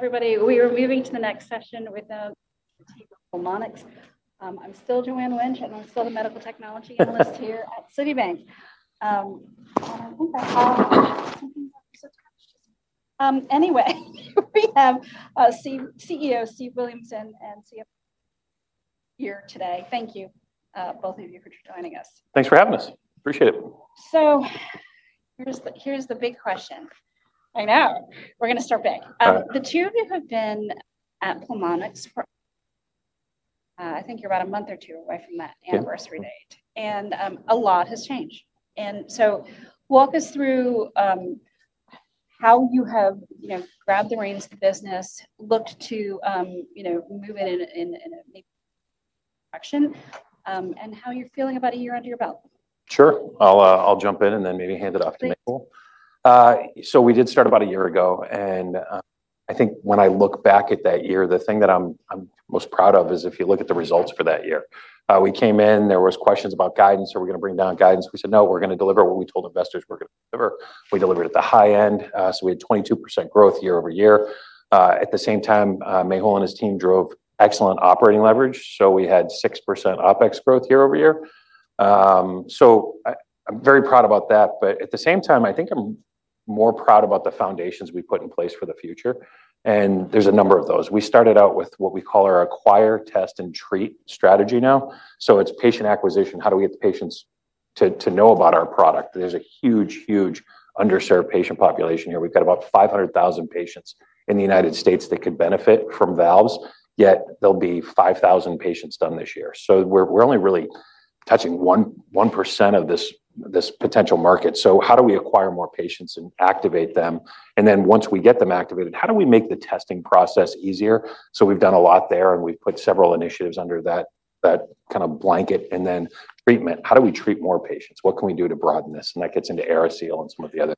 Hello, everybody. We are moving to the next session with Pulmonx. I'm still Joanne Wuensch, and I'm still the medical technology analyst here at Citibank. Anyway, we have CEO Steve Williamson and CFO here today. Thank you, both of you, for joining us. Thanks for having us. Appreciate it. Here's the big question. I know. We're going to start big. The two of you have been at Pulmonx for, I think, you're about a month or two away from that anniversary date. A lot has changed. Walk us through how you have grabbed the reins of the business, looked to move it in a new direction, and how you're feeling about a year under your belt. Sure. I'll jump in and then maybe hand it off to Mehul. We did start about a year ago. I think when I look back at that year, the thing that I'm most proud of is if you look at the results for that year. We came in, there were questions about guidance, are we going to bring down guidance? We said, no, we're going to deliver what we told investors we're going to deliver. We delivered at the high end. We had 22% growth year-over-year. At the same time, Mehul and his team drove excellent operating leverage. We had 6% OpEx growth year-over-year. I'm very proud about that. At the same time, I think I'm more proud about the foundations we put in place for the future. There's a number of those. We started out with what we call our Acquire, Test, and Treat strategy now. It is patient acquisition. How do we get the patients to know about our product? There is a huge, huge underserved patient population here. We have about 500,000 patients in the United States that could benefit from valves, yet there will be 5,000 patients done this year. We are only really touching 1% of this potential market. How do we acquire more patients and activate them? Once we get them activated, how do we make the testing process easier? We have done a lot there, and we have put several initiatives under that kind of blanket. Treatment, how do we treat more patients? What can we do to broaden this? That gets into AeriSeal and some of the other.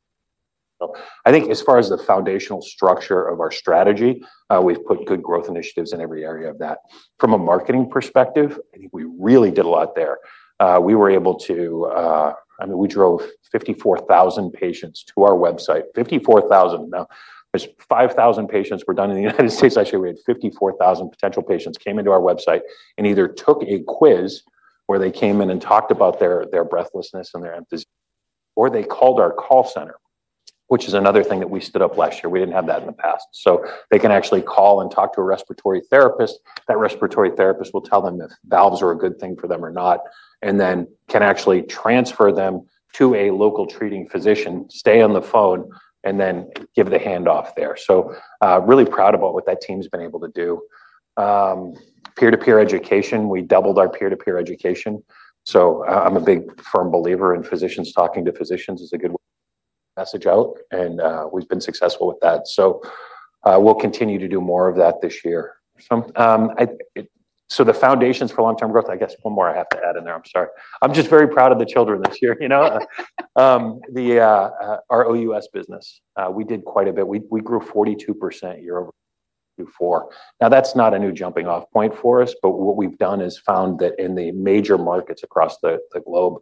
I think as far as the foundational structure of our strategy, we've put good growth initiatives in every area of that. From a marketing perspective, I think we really did a lot there. We were able to, I mean, we drove 54,000 patients to our website. 54,000. Now, there's 5,000 patients were done in the United States. Actually, we had 54,000 potential patients came into our website and either took a quiz where they came in and talked about their breathlessness and their emphysema, or they called our call center, which is another thing that we stood up last year. We didn't have that in the past. They can actually call and talk to a respiratory therapist. That respiratory therapist will tell them if valves are a good thing for them or not, and then can actually transfer them to a local treating physician, stay on the phone, and then give the handoff there. Really proud about what that team has been able to do. Peer-to-peer education, we doubled our peer-to-peer education. I'm a big firm believer in physicians talking to physicians is a good message out. We have been successful with that. We will continue to do more of that this year. The foundations for long-term growth, I guess one more I have to add in there. I'm sorry. I'm just very proud of the children this year. Our OUS business, we did quite a bit. We grew 42% year-over-year before. Now, that's not a new jumping-off point for us, but what we've done is found that in the major markets across the globe,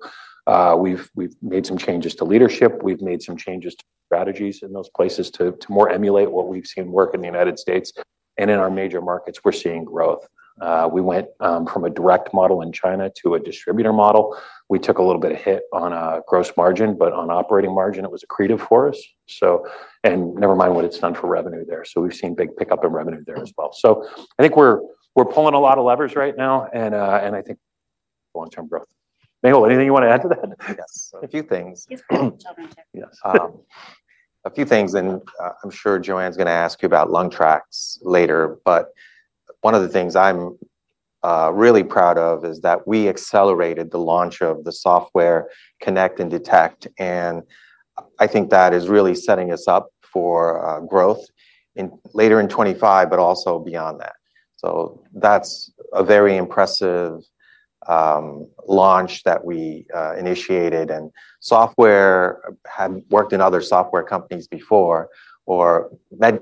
we've made some changes to leadership. We've made some changes to strategies in those places to more emulate what we've seen work in the United States. In our major markets, we're seeing growth. We went from a direct model in China to a distributor model. We took a little bit of a hit on gross margin, but on operating margin, it was accretive for us. Never mind what it's done for revenue there. We've seen big pickup in revenue there as well. I think we're pulling a lot of levers right now. I think long-term growth. Mehul, anything you want to add to that? Yes. A few things. Yes. A few things. I am sure Joanne's going to ask you about LungTraX later. One of the things I am really proud of is that we accelerated the launch of the software Connect and Detect. I think that is really setting us up for growth later in 2025, but also beyond that. That is a very impressive launch that we initiated. I had worked in other software companies before or med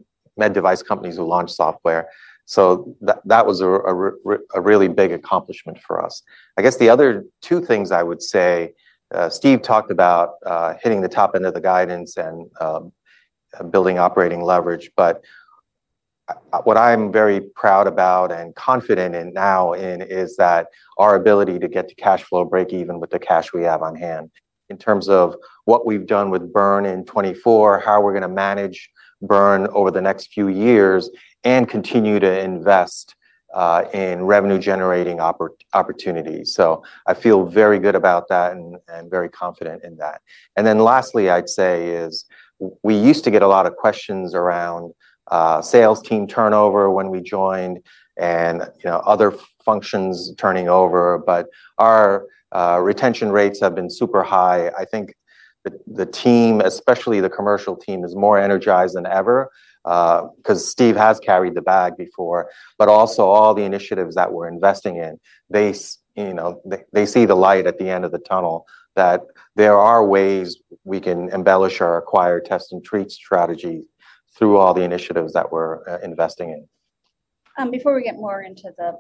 device companies who launched software. That was a really big accomplishment for us. I guess the other two things I would say, Steve talked about hitting the top end of the guidance and building operating leverage. What I am very proud about and confident in now is that our ability to get to cash flow break even with the cash we have on hand. In terms of what we've done with burn in 2024, how we're going to manage burn over the next few years and continue to invest in revenue-generating opportunities. I feel very good about that and very confident in that. Lastly, I'd say we used to get a lot of questions around sales team turnover when we joined and other functions turning over. Our retention rates have been super high. I think the team, especially the commercial team, is more energized than ever because Steve has carried the bag before. Also, all the initiatives that we're investing in, they see the light at the end of the tunnel that there are ways we can embellish our Acquire, Test, and Treat strategy through all the initiatives that we're investing in. Before we get more into the,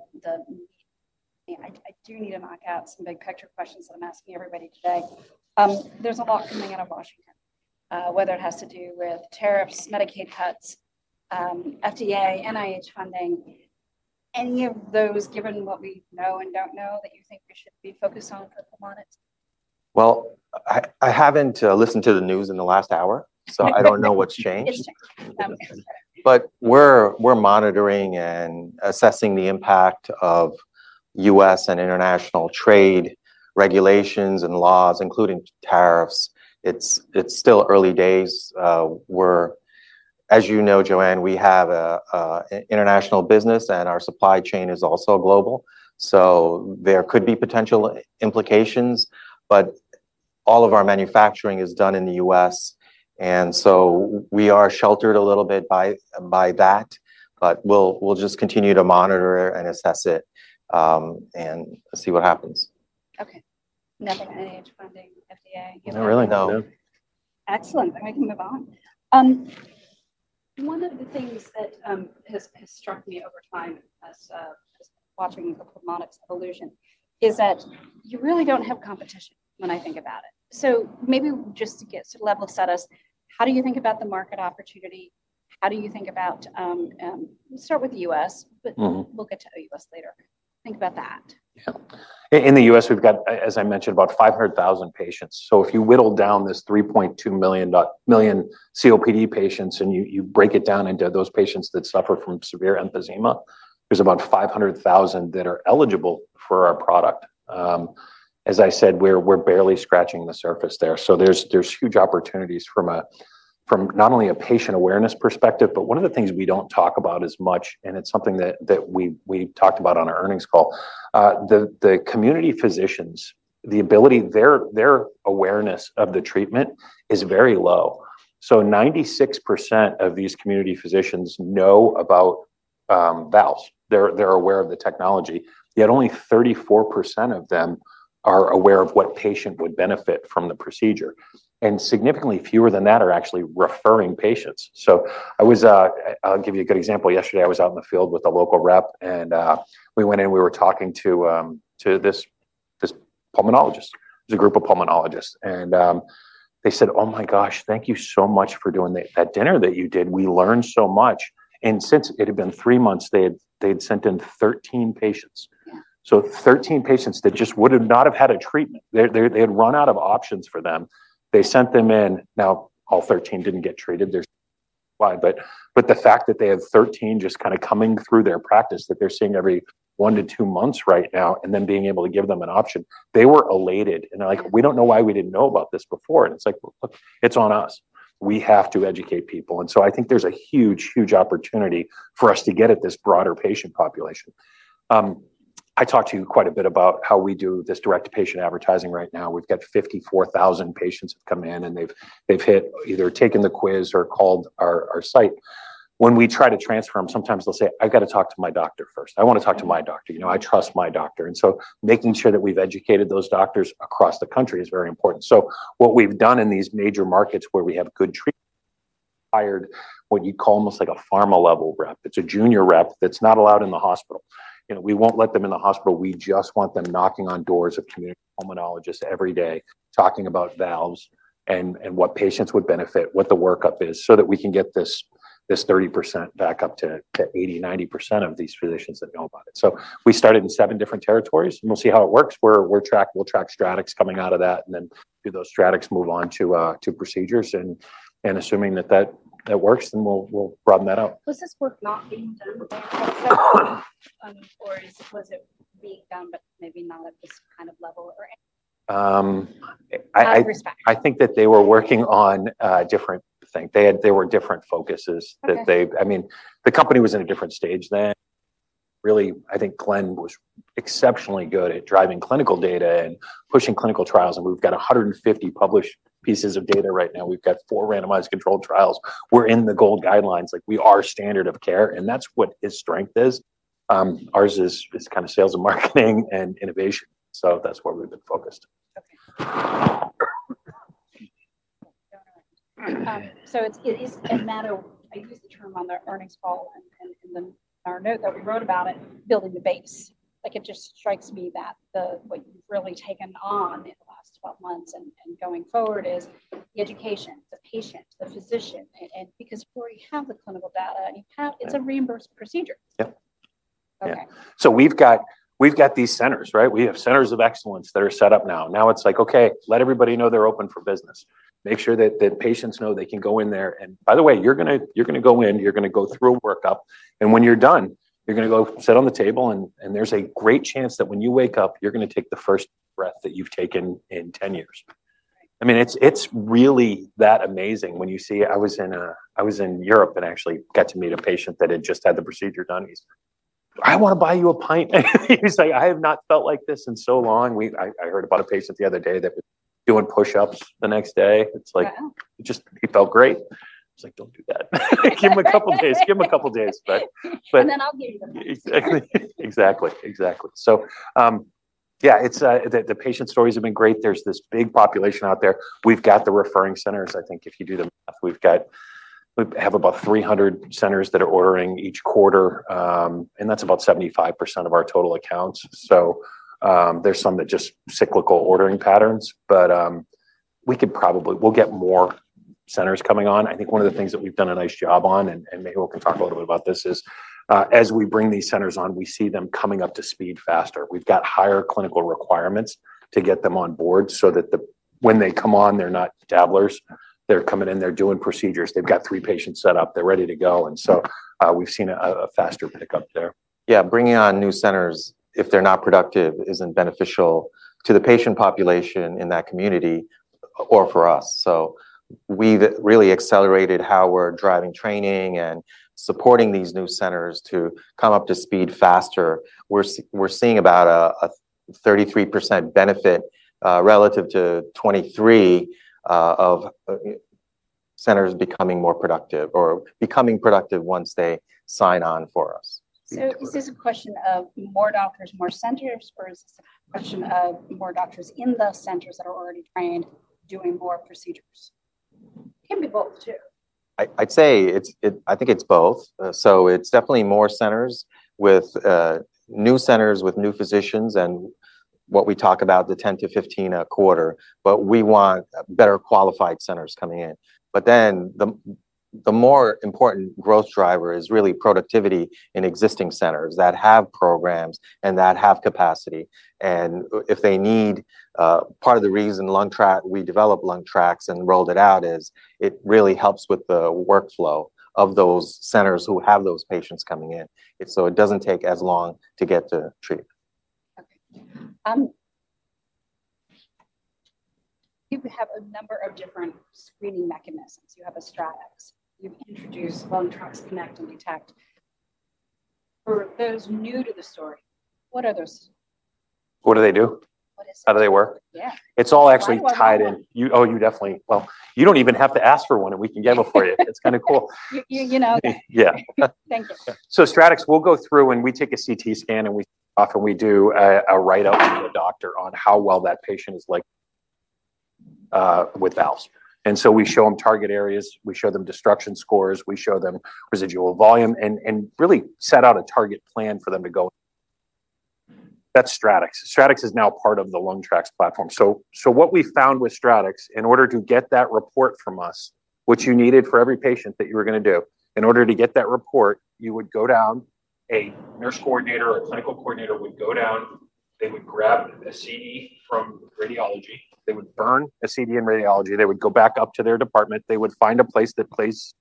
I do need to knock out some big picture questions that I'm asking everybody today. There's a lot coming out of Washington, whether it has to do with tariffs, Medicaid cuts, FDA, NIH funding. Any of those, given what we know and don't know, that you think we should be focused on for Pulmonx? I have not listened to the news in the last hour, so I do not know what has changed. We are monitoring and assessing the impact of U.S. and international trade regulations and laws, including tariffs. It is still early days. As you know, Joanne, we have an international business, and our supply chain is also global. There could be potential implications. All of our manufacturing is done in the U.S., and we are sheltered a little bit by that. We will continue to monitor and assess it and see what happens. Okay. Nothing on NIH funding, FDA? No. Really no. Excellent. We can move on. One of the things that has struck me over time as watching the Pulmonx evolution is that you really do not have competition when I think about it. Maybe just to get sort of level of setup, how do you think about the market opportunity? How do you think about, start with the U.S., but we will get to the U.S. later. Think about that. Yeah. In the U.S., we've got, as I mentioned, about 500,000 patients. If you whittle down this 3.2 million COPD patients and you break it down into those patients that suffer from severe emphysema, there's about 500,000 that are eligible for our product. As I said, we're barely scratching the surface there. There's huge opportunities from not only a patient awareness perspective, but one of the things we don't talk about as much, and it's something that we talked about on our earnings call, the community physicians, the ability, their awareness of the treatment is very low. 96% of these community physicians know about valves. They're aware of the technology. Yet only 34% of them are aware of what patient would benefit from the procedure. Significantly fewer than that are actually referring patients. I'll give you a good example. Yesterday, I was out in the field with a local rep, and we went in, we were talking to this pulmonologist. There's a group of pulmonologists. They said, "Oh my gosh, thank you so much for doing that dinner that you did. We learned so much." Since it had been three months, they had sent in 13 patients. Thirteen patients that just would not have had a treatment. They had run out of options for them. They sent them in. Now, all 13 did not get treated. There's why. The fact that they have 13 just kind of coming through their practice, that they're seeing every one to two months right now, and then being able to give them an option, they were elated. They are like, "We do not know why we did not know about this before." It is like, "Look, it is on us. We have to educate people. I think there's a huge, huge opportunity for us to get at this broader patient population. I talk to you quite a bit about how we do this direct-to-patient advertising right now. We've got 54,000 patients have come in, and they've either taken the quiz or called our site. When we try to transfer them, sometimes they'll say, "I've got to talk to my doctor first. I want to talk to my doctor. I trust my doctor." Making sure that we've educated those doctors across the country is very important. What we've done in these major markets where we have good treatment, we've hired what you'd call almost like a pharma-level rep. It's a junior rep that's not allowed in the hospital. We won't let them in the hospital. We just want them knocking on doors of community pulmonologists every day talking about valves and what patients would benefit, what the workup is, so that we can get this 30% back up to 80-90% of these physicians that know about it. We started in seven different territories. We'll see how it works. We'll track StratX coming out of that, and then through those StratX, move on to procedures. Assuming that that works, we'll broaden that out. Was this work not being done or was it being done, but maybe not at this kind of level or higher staff? I think that they were working on a different thing. There were different focuses that they, I mean, the company was in a different stage then. Really, I think Glen was exceptionally good at driving clinical data and pushing clinical trials. We've got 150 published pieces of data right now. We've got four randomized controlled trials. We're in the GOLD guidelines. We are standard of care. That's what his strength is. Ours is kind of sales and marketing and innovation. That's where we've been focused. It is a matter of, I used the term on the earnings call and in our note that we wrote about it, building the base. It just strikes me that what you've really taken on in the last 12 months and going forward is the education, the patient, the physician. Because we already have the clinical data, it's a reimbursed procedure. Yeah. We have these centers, right? We have centers of excellence that are set up now. Now it's like, "Okay, let everybody know they're open for business. Make sure that patients know they can go in there." By the way, you're going to go in, you're going to go through a workup. When you're done, you're going to go sit on the table. There's a great chance that when you wake up, you're going to take the first breath that you've taken in 10 years. I mean, it's really that amazing when you see. I was in Europe and actually got to meet a patient that had just had the procedure done. He said, "I want to buy you a pint." He's like, "I have not felt like this in so long." I heard about a patient the other day that was doing push-ups the next day. It's like, he felt great. I was like, "Don't do that. Give him a couple of days. Give him a couple of days. I'll give you the pint. Exactly. Exactly. Exactly. The patient stories have been great. There's this big population out there. We've got the referring centers. I think if you do the math, we have about 300 centers that are ordering each quarter. That's about 75% of our total accounts. There's some that just have cyclical ordering patterns. We could probably get more centers coming on. I think one of the things that we've done a nice job on, and maybe we can talk a little bit about this, is as we bring these centers on, we see them coming up to speed faster. We've got higher clinical requirements to get them on board so that when they come on, they're not dabblers. They're coming in, they're doing procedures. They've got three patients set up. They're ready to go. We've seen a faster pickup there. Yeah, bringing on new centers, if they're not productive, isn't beneficial to the patient population in that community or for us. We have really accelerated how we're driving training and supporting these new centers to come up to speed faster. We're seeing about a 33% benefit relative to 23% of centers becoming more productive or becoming productive once they sign on for us. Is this a question of more doctors, more centers, or is this a question of more doctors in the centers that are already trained doing more procedures? It can be both too. I'd say I think it's both. It is definitely more centers with new centers with new physicians and what we talk about, the 10-15 a quarter. We want better qualified centers coming in. The more important growth driver is really productivity in existing centers that have programs and that have capacity. Part of the reason we developed LungTraX and rolled it out is it really helps with the workflow of those centers who have those patients coming in. It does not take as long to get to treat. Okay. You have a number of different screening mechanisms. You have a StratX. You've introduced LungTraX Connect and Detect. For those new to the story, what are those? What do they do? How do they work? Yeah. It's all actually tied in. Oh, you definitely, well, you don't even have to ask for one, and we can get them for you. It's kind of cool. You know. Yeah. Thank you. StratX, we'll go through and we take a CT scan and we see how often we do a write-up to the doctor on how well that patient is like with valves. And so we show them target areas. We show them destruction scores. We show them residual volume and really set out a target plan for them to go. That's StratX. StratX is now part of the LungTraX platform. So what we found with StratX, in order to get that report from us, which you needed for every patient that you were going to do, in order to get that report, you would go down, a nurse coordinator or a clinical coordinator would go down, they would grab a CD from radiology. They would burn a CD in radiology. They would go back up to their department. They would find a place that plays.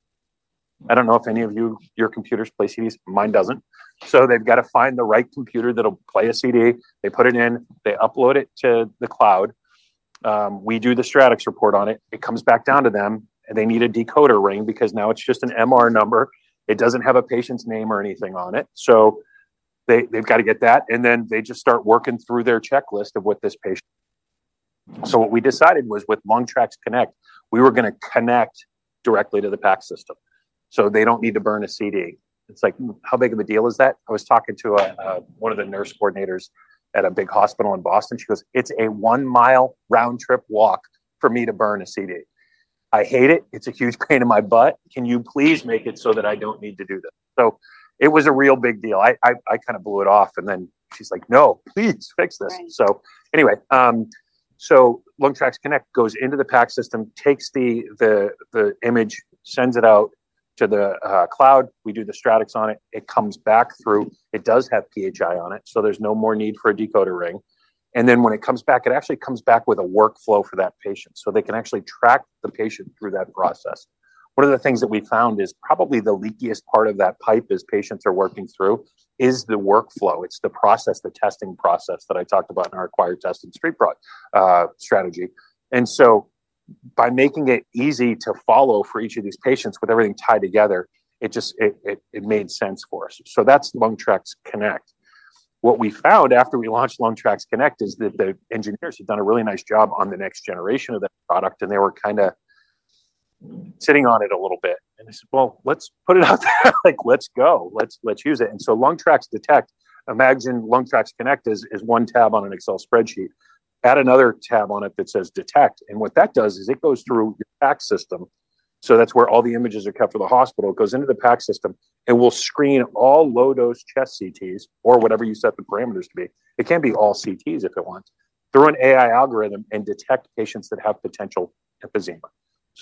I don't know if any of you, your computers play CDs. Mine doesn't. They've got to find the right computer that'll play a CD. They put it in. They upload it to the cloud. We do the StratX report on it. It comes back down to them. They need a decoder ring because now it's just an MR number. It doesn't have a patient's name or anything on it. They've got to get that. They just start working through their checklist of what this patient. What we decided was with LungTraX Connect, we were going to connect directly to the PACS system. They don't need to burn a CD. It's like, how big of a deal is that? I was talking to one of the nurse coordinators at a big hospital in Boston. She goes, "It's a one-mile round trip walk for me to burn a CD. I hate it. It's a huge pain in my butt. Can you please make it so that I don't need to do this?" It was a real big deal. I kind of blew it off. She's like, "No, please fix this." Anyway, LungTraX Connect goes into the PACS system, takes the image, sends it out to the cloud. We do the StratX on it. It comes back through. It does have PHI on it. There's no more need for a decoder ring. When it comes back, it actually comes back with a workflow for that patient. They can actually track the patient through that process. One of the things that we found is probably the leakiest part of that pipe as patients are working through is the workflow. It's the process, the testing process that I talked about in our Acquire, Test, and Treat broad strategy. By making it easy to follow for each of these patients with everything tied together, it made sense for us. That's LungTraX Connect. What we found after we launched LungTraX Connect is that the engineers had done a really nice job on the next generation of that product, and they were kind of sitting on it a little bit. I said, "Let's put it out there. Let's go. Let's use it." LungTraX Detect, imagine LungTraX Connect is one tab on an Excel spreadsheet. Add another tab on it that says Detect. What that does is it goes through your PACS system. That is where all the images are kept for the hospital. It goes into the PACS system. It will screen all low-dose chest CTs or whatever you set the parameters to be. It can be all CTs if it wants. Throw an AI algorithm and detect patients that have potential emphysema.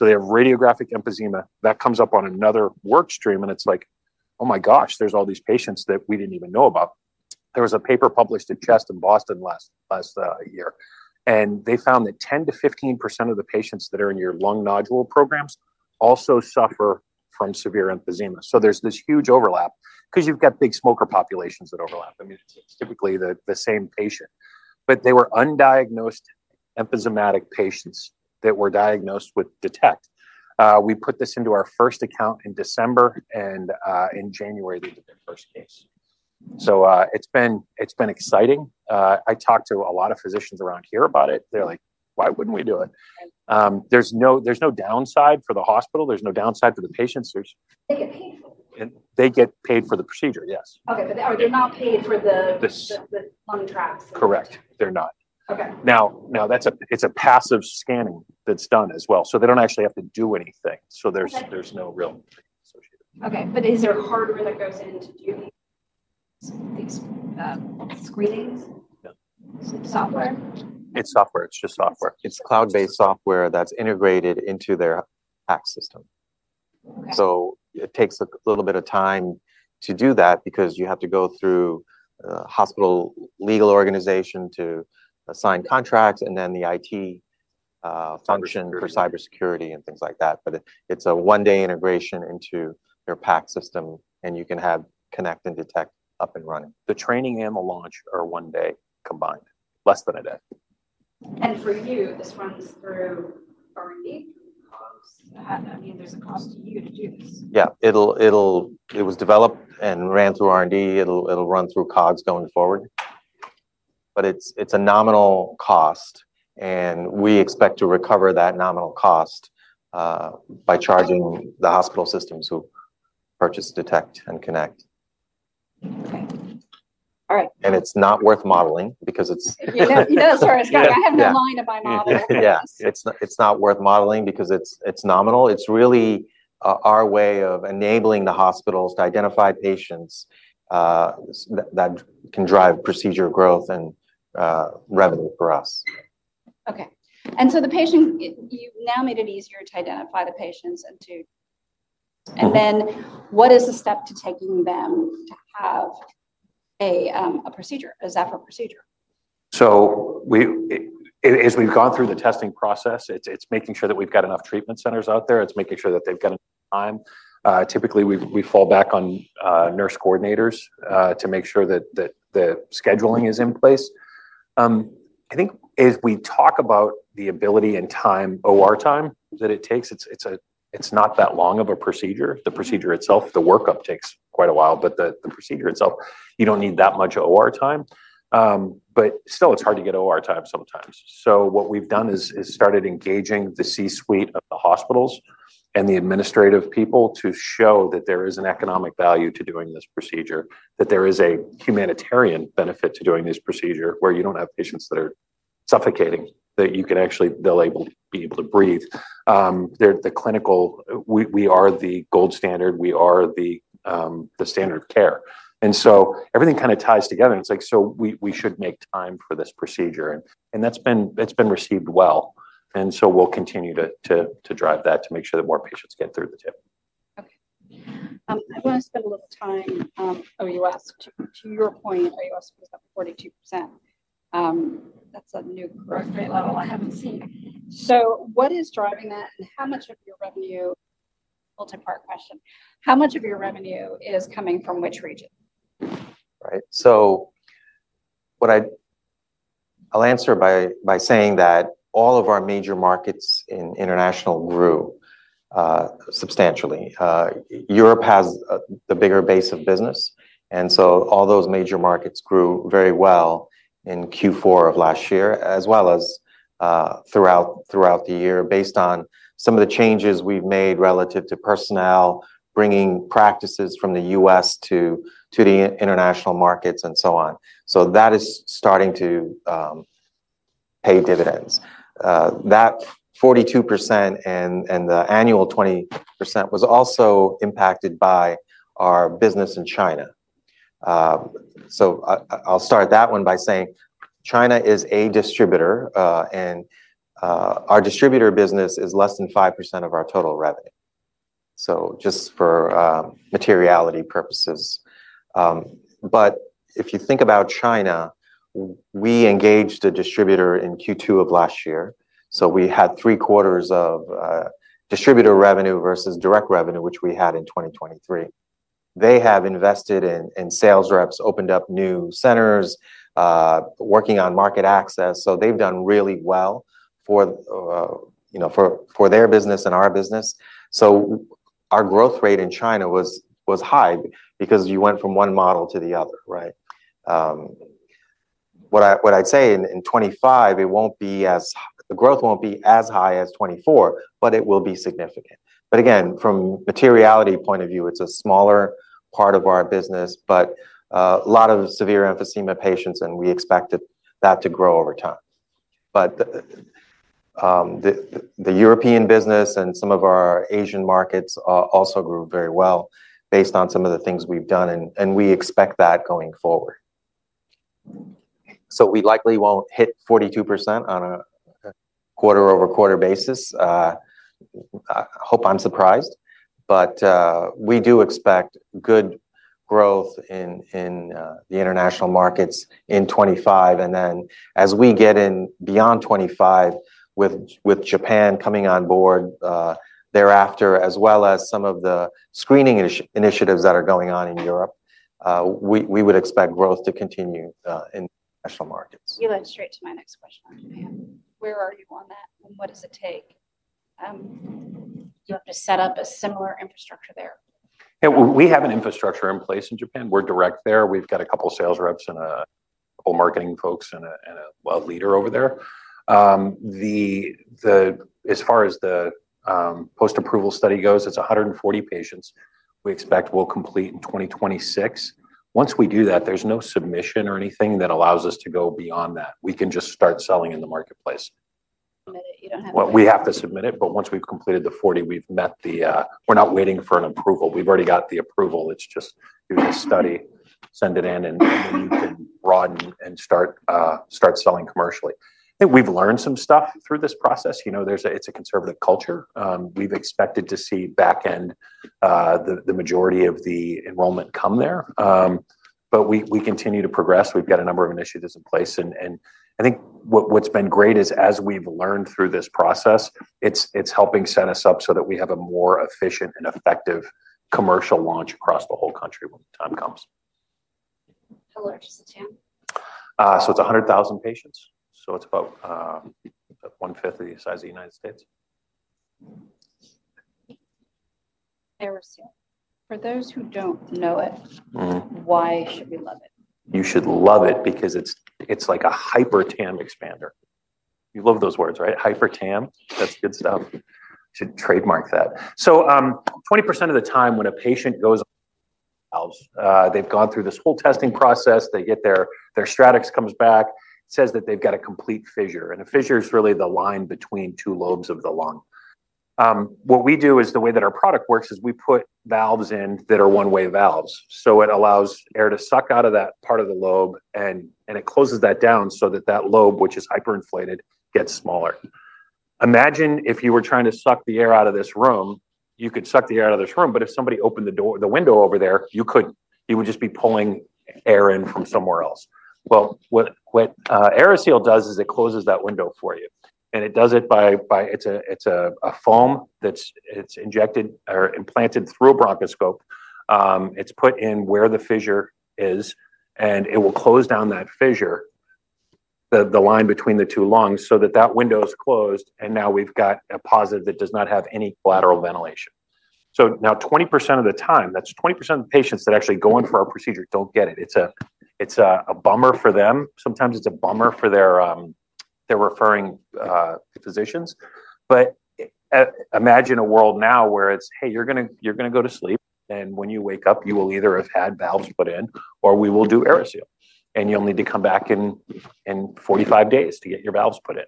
They have radiographic emphysema. That comes up on another workstream. It is like, "Oh my gosh, there are all these patients that we did not even know about." There was a paper published in CHEST in Boston last year. They found that 10-15% of the patients that are in your lung nodule programs also suffer from severe emphysema. There is this huge overlap because you have big smoker populations that overlap. I mean, it is typically the same patient. They were undiagnosed emphysematic patients that were diagnosed with Detect. We put this into our first account in December. In January, they did their first case. It has been exciting. I talked to a lot of physicians around here about it. They're like, "Why wouldn't we do it?" There's no downside for the hospital. There's no downside for the patients. They get paid for it. They get paid for the procedure, yes. Okay. They are not paid for the LungTraX. Correct. They're not. Now, it's a passive scanning that's done as well. They don't actually have to do anything. There's no real associated. Okay. Is there hardware that goes into doing these screenings? Yeah. Software? It's software. It's just software. It's cloud-based software that's integrated into their PACS system. It takes a little bit of time to do that because you have to go through the hospital legal organization to sign contracts and then the IT function for cybersecurity and things like that. It is a one-day integration into your PACS system, and you can have Connect and Detect up and running. The training and the launch are one day combined, less than a day. For you, this runs through R&D? I mean, there's a cost to you to do this. Yeah. It was developed and ran through R&D. It'll run through COGS going forward. It is a nominal cost. We expect to recover that nominal cost by charging the hospital systems who purchase Detect and Connect. Okay. All right. It is not worth modeling because it is. You know it's hard. I have no line of my model. Yeah. It's not worth modeling because it's nominal. It's really our way of enabling the hospitals to identify patients that can drive procedure growth and revenue for us. Okay. The patient, you've now made it easier to identify the patients and to. What is the step to taking them to have a procedure, a Zephyr procedure? As we've gone through the testing process, it's making sure that we've got enough treatment centers out there. It's making sure that they've got enough time. Typically, we fall back on nurse coordinators to make sure that the scheduling is in place. I think as we talk about the ability and time, OR time that it takes, it's not that long of a procedure. The procedure itself, the workup takes quite a while, but the procedure itself, you don't need that much OR time. Still, it's hard to get OR time sometimes. What we've done is started engaging the C-suite of the hospitals and the administrative people to show that there is an economic value to doing this procedure, that there is a humanitarian benefit to doing this procedure where you don't have patients that are suffocating, that you can actually be able to breathe. The clinical, we are the gold standard. We are the standard of care. Everything kind of ties together. It's like, we should make time for this procedure. That's been received well. We'll continue to drive that to make sure that more patients get through the tip. Okay. I want to spend a little time. OUS. To your point, OUS was up 42%. That's a new growth rate level I haven't seen. What is driving that? How much of your revenue? Multi-part question. How much of your revenue is coming from which region? Right. I'll answer by saying that all of our major markets in international grew substantially. Europe has the bigger base of business. All those major markets grew very well in Q4 of last year, as well as throughout the year based on some of the changes we've made relative to personnel, bringing practices from the U.S. to the international markets and so on. That is starting to pay dividends. That 42% and the annual 20% was also impacted by our business in China. I'll start that one by saying China is a distributor. Our distributor business is less than 5% of our total revenue, just for materiality purposes. If you think about China, we engaged a distributor in Q2 of last year. We had three quarters of distributor revenue versus direct revenue, which we had in 2023. They have invested in sales reps, opened up new centers, working on market access. They have done really well for their business and our business. Our growth rate in China was high because you went from one model to the other, right? What I would say in 2025, the growth will not be as high as 2024, but it will be significant. Again, from a materiality point of view, it is a smaller part of our business, but a lot of severe emphysema patients, and we expect that to grow over time. The European business and some of our Asian markets also grew very well based on some of the things we have done, and we expect that going forward. We likely will not hit 42% on a quarter-over-quarter basis. I hope I am surprised. We do expect good growth in the international markets in 2025. As we get in beyond 2025 with Japan coming on board thereafter, as well as some of the screening initiatives that are going on in Europe, we would expect growth to continue in international markets. You led straight to my next question. Where are you on that? What does it take? Do you have to set up a similar infrastructure there? We have an infrastructure in place in Japan. We're direct there. We've got a couple of sales reps and a couple of marketing folks and a lead over there. As far as the post-approval study goes, it's 140 patients we expect will complete in 2026. Once we do that, there's no submission or anything that allows us to go beyond that. We can just start selling in the marketplace. Submited it? You don't have to? We have to submit it. Once we've completed the 40, we've met the, we're not waiting for an approval. We've already got the approval. It's just do the study, send it in, and you can broaden and start selling commercially. I think we've learned some stuff through this process. It's a conservative culture. We expected to see back end, the majority of the enrollment come there. We continue to progress. We've got a number of initiatives in place. I think what's been great is as we've learned through this process, it's helping set us up so that we have a more efficient and effective commercial launch across the whole country when the time comes. How large is the town? It's 100,000 patients. It's about one-fifth of the size of the United States. For those who don't know it, why should we love it? You should love it because it's like a hyper TAM expander. You love those words, right? Hyper TAM, that's good stuff. Should trademark that. So 20% of the time when a patient goes out, they've gone through this whole testing process. They get their StratX comes back, says that they've got a complete fissure. And a fissure is really the line between two lobes of the lung. What we do is the way that our product works is we put valves in that are one-way valves. It allows air to suck out of that part of the lobe, and it closes that down so that that lobe, which is hyperinflated, gets smaller. Imagine if you were trying to suck the air out of this room, you could suck the air out of this room. But if somebody opened the window over there, you couldn't. You would just be pulling air in from somewhere else. What AeriSeal does is it closes that window for you. It does it by, it's a foam that's injected or implanted through a bronchoscope. It's put in where the fissure is, and it will close down that fissure, the line between the two lungs, so that window is closed. Now we've got a positive that does not have any collateral ventilation. Now 20% of the time, that's 20% of the patients that actually go in for our procedure don't get it. It's a bummer for them. Sometimes it's a bummer for their referring physicians. Imagine a world now where it's, "Hey, you're going to go to sleep. When you wake up, you will either have had valves put in or we will do AeriSeal. You will need to come back in 45 days to get your valves put in.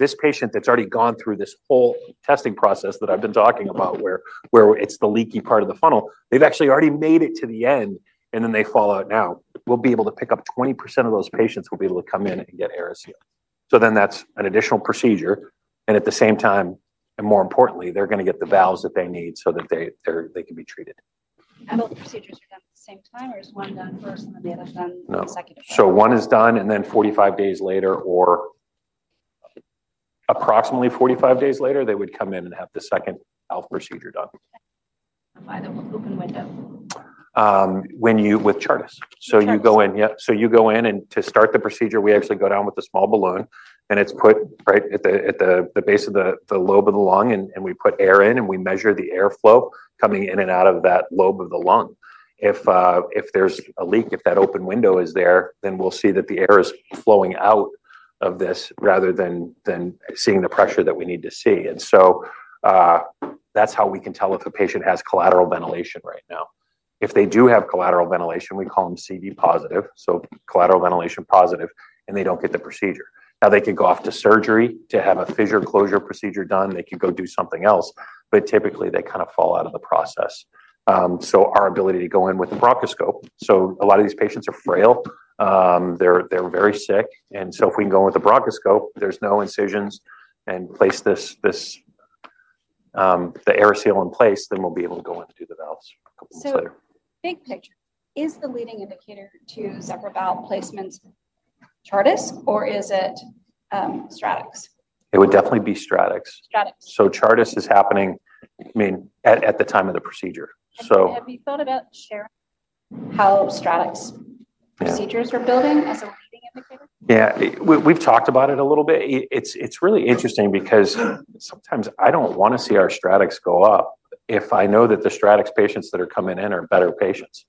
This patient that has already gone through this whole testing process that I have been talking about, where it is the leaky part of the funnel, has actually already made it to the end, and then they fall out now. We will be able to pick up 20% of those patients who will be able to come in and get AeriSeal. That is an additional procedure. At the same time, and more importantly, they are going to get the valves that they need so that they can be treated. How about the procedures are done at the same time? Or is one done first and then the other done consecutively? One is done and then 45 days later, or approximately 45 days later, they would come in and have the second valve procedure done. By the open window. When you go with Chartis. You go in to start the procedure, we actually go down with a small balloon, and it's put right at the base of the lobe of the lung, and we put air in, and we measure the airflow coming in and out of that lobe of the lung. If there's a leak, if that open window is there, then we'll see that the air is flowing out of this rather than seeing the pressure that we need to see. That's how we can tell if a patient has collateral ventilation right now. If they do have collateral ventilation, we call them CV positive, so collateral ventilation positive, and they don't get the procedure. They could go off to surgery to have a fissure closure procedure done. They could go do something else, but typically they kind of fall out of the process. Our ability to go in with a bronchoscope—a lot of these patients are frail, they're very sick. If we can go in with a bronchoscope, there's no incisions, and place the AeriSeal in place, then we'll be able to go in and do the valves a couple of months later. Big picture, is the leading indicator to Zephyr valve placements Chartis, or is it StratX? It would definitely be StratX. StratX. Chartis is happening, I mean, at the time of the procedure. Have you thought about sharing how StratX procedures are building as a leading indicator? Yeah. We've talked about it a little bit. It's really interesting because sometimes I don't want to see our StratX go up if I know that the StratX patients that are coming in are better patients.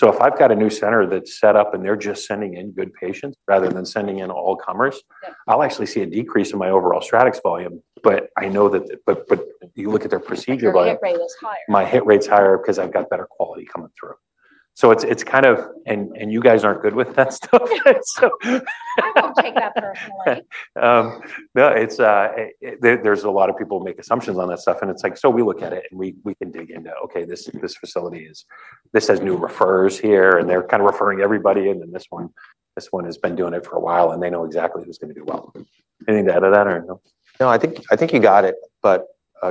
If I've got a new center that's set up and they're just sending in good patients rather than sending in all-comers, I'll actually see a decrease in my overall StratX volume. I know that you look at their procedure volume. Your hit rate is higher. My hit rate's higher because I've got better quality coming through. It's kind of, and you guys aren't good with that stuff. I won't take that personally. There's a lot of people who make assumptions on that stuff. It's like, we look at it and we can dig into it. Okay, this facility has new refers here, and they're kind of referring everybody. This one has been doing it for a while, and they know exactly who's going to do well. Anything to add to that or no? No, I think you got it.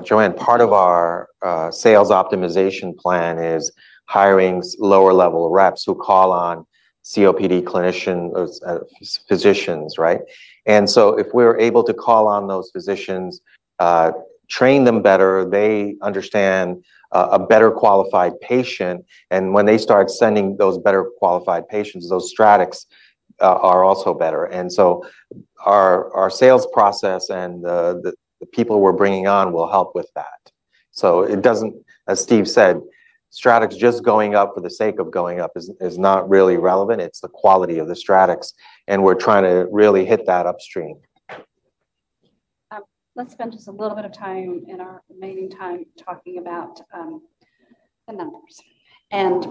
Joanne, part of our sales optimization plan is hiring lower-level reps who call on COPD clinicians, physicians, right? If we're able to call on those physicians, train them better, they understand a better qualified patient. When they start sending those better qualified patients, those StratX are also better. Our sales process and the people we're bringing on will help with that. It doesn't, as Steve said, StratX just going up for the sake of going up is not really relevant. It's the quality of the StratX. And we're trying to really hit that upstream. Let's spend just a little bit of time in our remaining time talking about the numbers and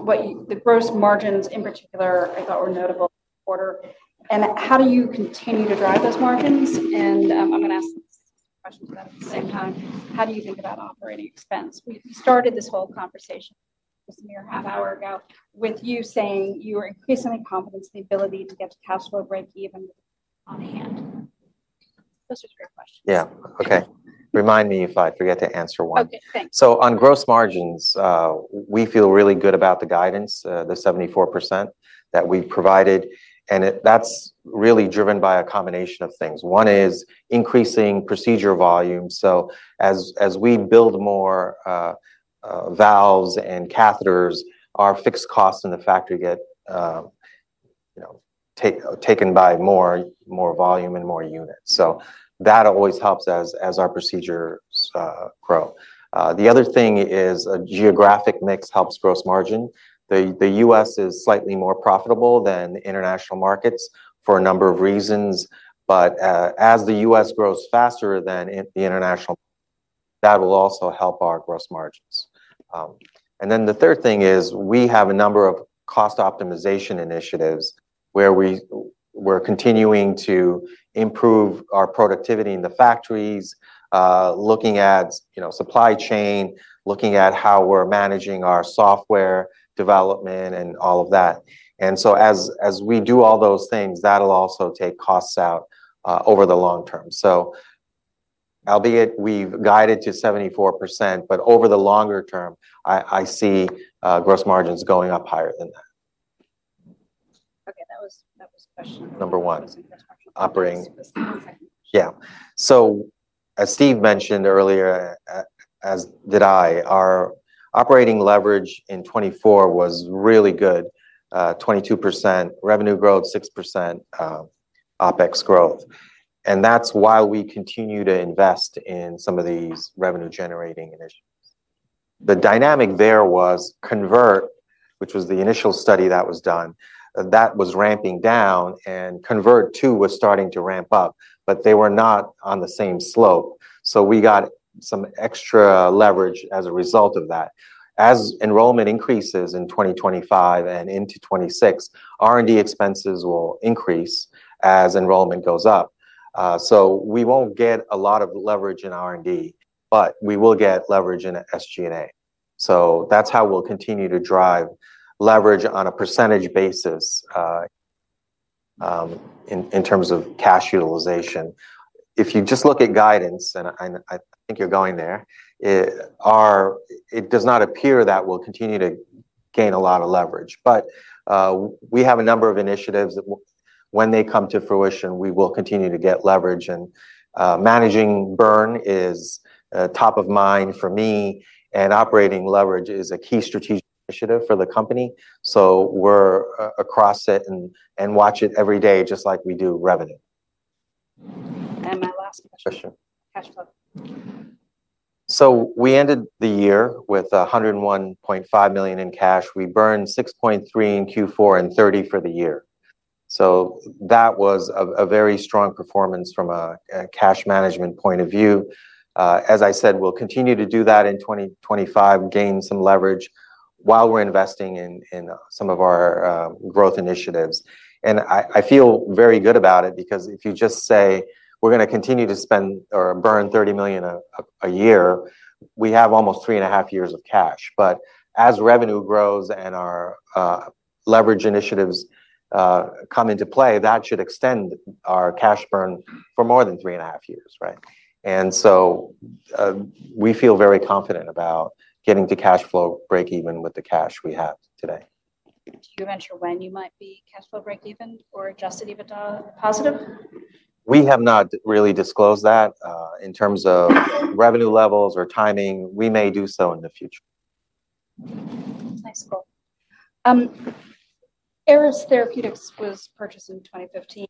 the gross margins in particular, I thought were notable this quarter. How do you continue to drive those margins? I'm going to ask questions about it at the same time. How do you think about operating expense? We started this whole conversation just a mere half hour ago with you saying you are increasingly confident in the ability to get the cash flow break even on hand. Those are great questions. Yeah. Okay. Remind me if I forget to answer one. Okay. Thanks. On gross margins, we feel really good about the guidance, the 74% that we've provided. That's really driven by a combination of things. One is increasing procedure volume. As we build more valves and catheters, our fixed costs in the factory get taken by more volume and more units. That always helps as our procedures grow. The other thing is a geographic mix helps gross margin. The U.S. is slightly more profitable than international markets for a number of reasons. As the U.S. grows faster than the international, that will also help our gross margins. The third thing is we have a number of cost optimization initiatives where we're continuing to improve our productivity in the factories, looking at supply chain, looking at how we're managing our software development and all of that. As we do all those things, that'll also take costs out over the long term. Albeit we've guided to 74%, over the longer term, I see gross margins going up higher than that. Okay. That was question number one. Number one. Operating. Yeah. As Steve mentioned earlier, as did I, our operating leverage in 2024 was really good, 22% revenue growth, 6% OpEx growth. That is why we continue to invest in some of these revenue-generating initiatives. The dynamic there was CONVERT, which was the initial study that was done, that was ramping down, and CONVERT 2 was starting to ramp up, but they were not on the same slope. We got some extra leverage as a result of that. As enrollment increases in 2025 and into 2026, R&D expenses will increase as enrollment goes up. We will not get a lot of leverage in R&D, but we will get leverage in SG&A. That is how we will continue to drive leverage on a percentage basis in terms of cash utilization. If you just look at guidance, and I think you're going there, it does not appear that we'll continue to gain a lot of leverage. We have a number of initiatives that when they come to fruition, we will continue to get leverage. Managing burn is top of mind for me. Operating leverage is a key strategic initiative for the company. We are across it and watch it every day, just like we do revenue. My last question. Question. Cash flow. We ended the year with $101.5 million in cash. We burned $6.3 million in Q4 and $30 million for the year. That was a very strong performance from a cash management point of view. As I said, we'll continue to do that in 2025, gain some leverage while we're investing in some of our growth initiatives. I feel very good about it because if you just say, "We're going to continue to spend or burn $30 million a year," we have almost three-and-a-half years of cash. As revenue grows and our leverage initiatives come into play, that should extend our cash burn for more than three-and-a-half years, right? We feel very confident about getting to cash flow break even with the cash we have today. Did you mention when you might be cash flow break even or adjusted even to positive? We have not really disclosed that. In terms of revenue levels or timing, we may do so in the future. Nice call. Aeris Therapeutics was purchased in 2015.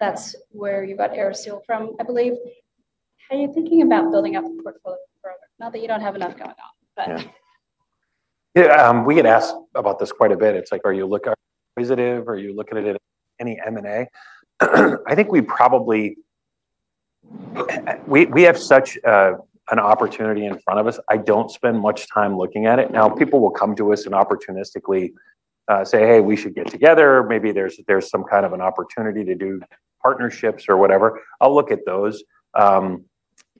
That's where you got AeriSeal from, I believe. How are you thinking about building up the portfolio for now that you don't have enough going on? Yeah. We get asked about this quite a bit. It's like, "Are you looking at it positive? Are you looking at it in any M&A?" I think we probably have such an opportunity in front of us. I don't spend much time looking at it. Now, people will come to us and opportunistically say, "Hey, we should get together. Maybe there's some kind of an opportunity to do partnerships or whatever." I'll look at those.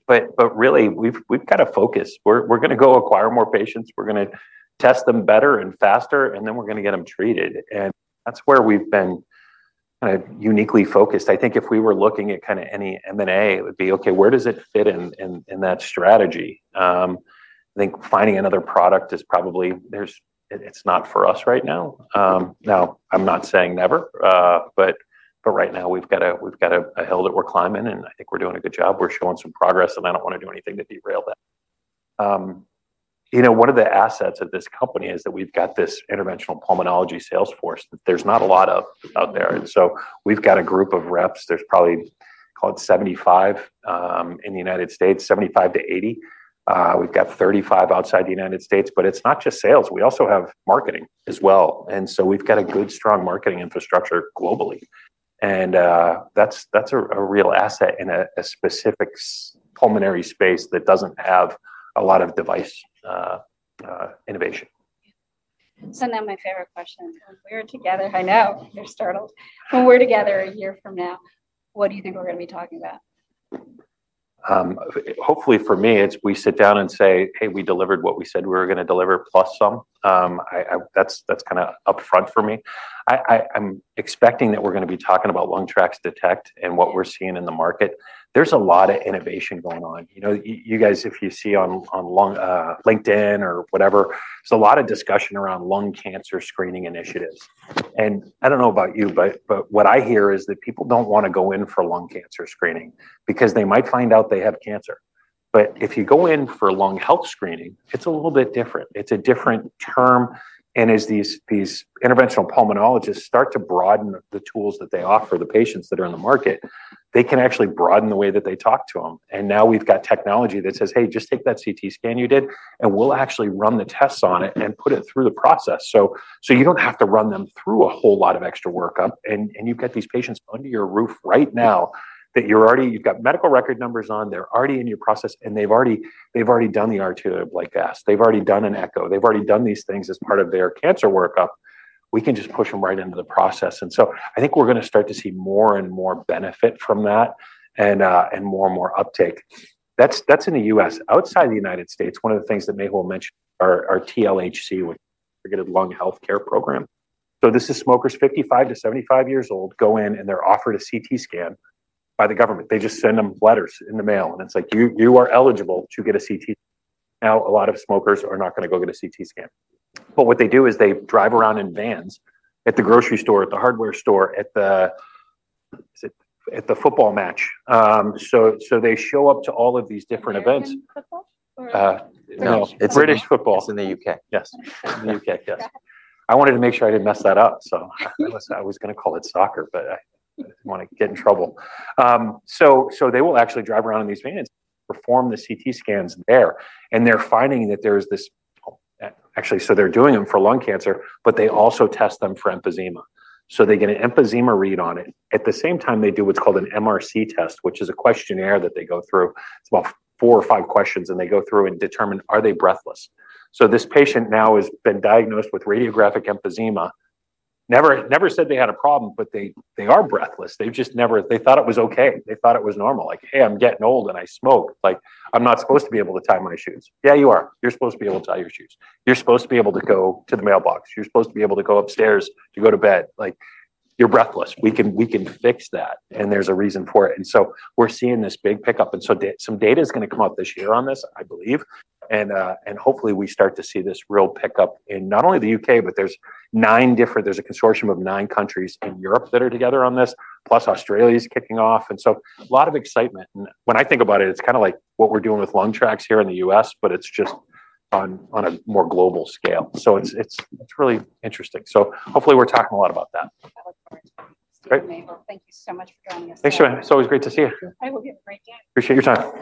Really, we've got to focus. We're going to go acquire more patients. We're going to test them better and faster, and then we're going to get them treated. That's where we've been kind of uniquely focused. I think if we were looking at kind of any M&A, it would be, "Okay, where does it fit in that strategy?" I think finding another product is probably it's not for us right now. Now, I'm not saying never, but right now we've got a hill that we're climbing, and I think we're doing a good job. We're showing some progress, and I don't want to do anything to derail that. One of the assets of this company is that we've got this interventional pulmonology sales force that there's not a lot of out there. We have a group of reps. There's probably called 75 in the United States, 75-80. We've got 35 outside the United States. It is not just sales. We also have marketing as well. We have a good, strong marketing infrastructure globally. That is a real asset in a specific pulmonary space that does not have a lot of device innovation. Now my favorite question. When we were together, I know you're startled. When we're together a year from now, what do you think we're going to be talking about? Hopefully for me, it's we sit down and say, "Hey, we delivered what we said we were going to deliver plus some." That's kind of upfront for me. I'm expecting that we're going to be talking about LungTraX Detect and what we're seeing in the market. There's a lot of innovation going on. You guys, if you see on LinkedIn or whatever, there's a lot of discussion around lung cancer screening initiatives. I don't know about you, but what I hear is that people don't want to go in for lung cancer screening because they might find out they have cancer. If you go in for lung health screening, it's a little bit different. It's a different term. As these interventional pulmonologists start to broaden the tools that they offer the patients that are in the market, they can actually broaden the way that they talk to them. Now we have technology that says, "Hey, just take that CT scan you did, and we will actually run the tests on it and put it through the process." You do not have to run them through a whole lot of extra workup. You have these patients under your roof right now that you have medical record numbers on. They are already in your process, and they have already done the arterial blood gas. They have already done an echo. They have already done these things as part of their cancer workup. We can just push them right into the process. I think we are going to start to see more and more benefit from that and more and more uptake. That's in the U.S. Outside the United States, one of the things that Mehul mentioned is our TLHC, which is the Targeted Lung Health Checks program. This is smokers 55 to 75 years old go in, and they're offered a CT scan by the government. They just send them letters in the mail, and it's like, "You are eligible to get a CT scan." Now, a lot of smokers are not going to go get a CT scan. What they do is they drive around in vans at the grocery store, at the hardware store, at the football match. They show up to all of these different events. Is it football? No. It's British football. It's in the U.K. Yes. It's in the U.K. Yes. I wanted to make sure I didn't mess that up. I was going to call it soccer, but I didn't want to get in trouble. They will actually drive around in these vans and perform the CT scans there. They're finding that there's this actually, they're doing them for lung cancer, but they also test them for emphysema. They get an emphysema read on it. At the same time, they do what's called an MRC test, which is a questionnaire that they go through. It's about four or five questions, and they go through and determine, are they breathless? This patient now has been diagnosed with radiographic emphysema. Never said they had a problem, but they are breathless. They thought it was okay. They thought it was normal. Like, "Hey, I'm getting old and I smoke. I'm not supposed to be able to tie my shoes." Yeah, you are. You're supposed to be able to tie your shoes. You're supposed to be able to go to the mailbox. You're supposed to be able to go upstairs to go to bed. You're breathless. We can fix that, and there's a reason for it. We are seeing this big pickup. Some data is going to come up this year on this, I believe. Hopefully, we start to see this real pickup in not only the U.K., but there's a consortium of nine countries in Europe that are together on this, plus Australia is kicking off. A lot of excitement. When I think about it, it's kind of like what we're doing with LungTraX here in the U.S., but it's just on a more global scale. It's really interesting. Hopefully, we're talking a lot about that. That was great. Thank you so much for joining us. Thanks so much. It's always great to see you. I hope you have a great day. Appreciate your time.